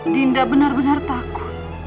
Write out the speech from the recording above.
dinda benar benar takut